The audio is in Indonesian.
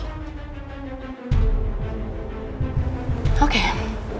kamu jangan pernah mengusik hidupku lagi